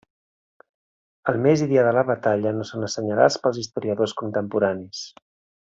El mes i dia de la batalla no són assenyalats pels historiadors contemporanis.